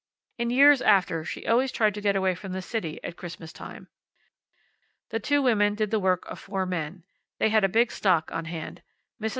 In years after she always tried to get away from the city at Christmas time. The two women did the work of four men. They had a big stock on hand. Mrs.